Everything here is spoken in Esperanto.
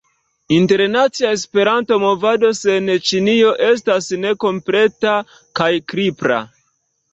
Internacia Esperanta movado sen Ĉinio estas nekompleta kaj kripla.